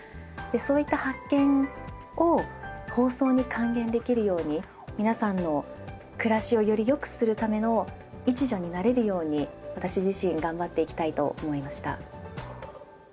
そういった発見を放送に還元できるように皆さんの暮らしをよりよくするための一助になれるように私自身頑張っていきたいと思いました。